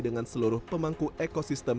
dengan seluruh pemangku ekosistem